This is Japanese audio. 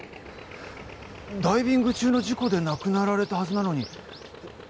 ・ダイビング中の事故で亡くなられたはずなのに何で遺書が？ああ。